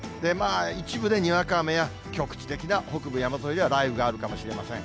一部でにわか雨や局地的な北部山沿いでは雷雨があるかもしれません。